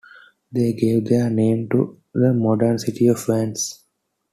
They gave their name to the modern city of Vannes.